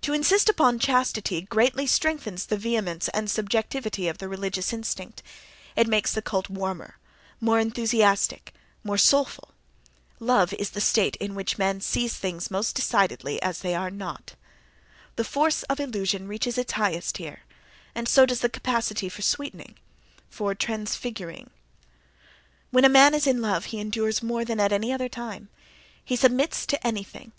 To insist upon chastity greatly strengthens the vehemence and subjectivity of the religious instinct—it makes the cult warmer, more enthusiastic, more soulful.—Love is the state in which man sees things most decidedly as they are not. The force of illusion reaches its highest here, and so does the capacity for sweetening, for transfiguring. When a man is in love he endures more than at any other time; he submits to anything.